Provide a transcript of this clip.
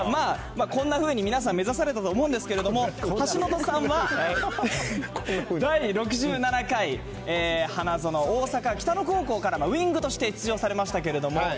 こんなふうに皆さん、目指されたと思うんですけれども、橋下さんは、第６７回花園、大阪北野高校からのウイングとして出場されましたけれども。